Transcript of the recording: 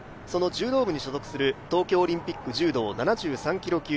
その柔道部に所属する東京オリンピック柔道７３キロ